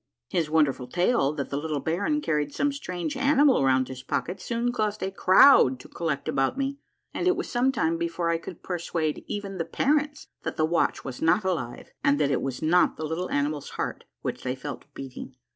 His wonderful tale that the little baron carried some strange animal around in his pocket soon caused a crowd to collect about me, and it was some time before I could persuade even the parents that the watch was not alive and that it was not the little animal's heart which they felt beating.